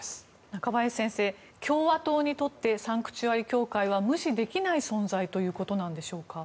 中林先生、共和党にとってサンクチュアリ教会は無視できない存在ということなんでしょうか。